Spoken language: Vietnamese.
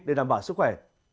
để đảm bảo sức khỏe